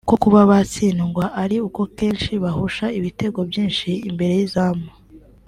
ko kuba batsindwa ari uko kenshi bahusha ibitego byinshi imbere y’izamu